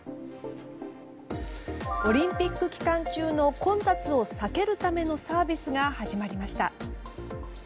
オリンピック期間中の混雑を避けるためのサービスが始まりました。